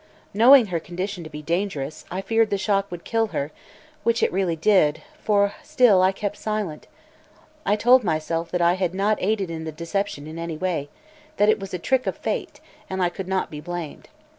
Knowing her condition to be dangerous, I feared the shock would kill her, which it really did, for still I kept silent. I told myself that I had not aided in the deception in any way, that it was a trick of fate, and I could not be blamed.